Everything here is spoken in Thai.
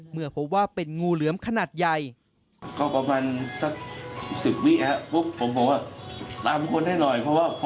เมื่อพบว่าเป็นงูเหลือมขนาดใหญ่